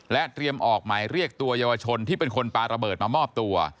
เตรียมออกหมายเรียกตัวเยาวชนที่เป็นคนปลาระเบิดมามอบตัว